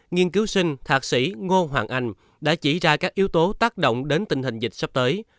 nghiên cứu sinh thạc sĩ ngô hoàng anh đã chỉ ra các yếu tố tác động đến tình hình dịch sắp tới